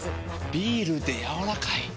ビールでやわらかい。